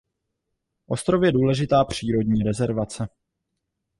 Ostrov je důležitá přírodní rezervace.